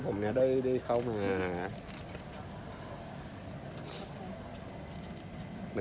ผมเนี่ยได้เข้ามา